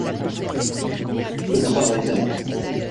Au travail maintenant !